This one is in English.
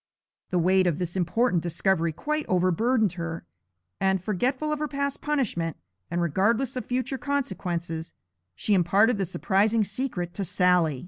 The weight of this important discovery quite overburdened her, and, forgetful of her past punishment, and regardless of future consequences, she imparted the surprising secret to Sally.